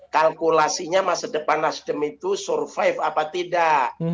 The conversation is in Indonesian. kalkulasinya masa depan nasdem itu survive apa tidak